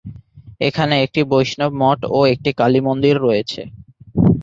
এখানে একটি বৈষ্ণব মঠ ও একটি কালী মন্দির রয়েছে।